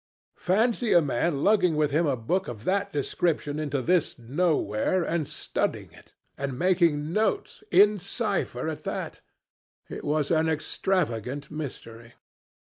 Fancy a man lugging with him a book of that description into this nowhere and studying it and making notes in cipher at that! It was an extravagant mystery.